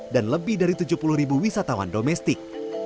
dan lebih dari tujuh puluh wisatawan domestik